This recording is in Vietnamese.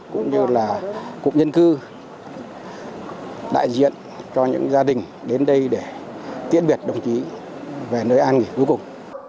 cũng như là cụm nhân cư đại diện cho những gia đình đến đây để tiễn biệt đồng chí về nơi an nghỉ cuối cùng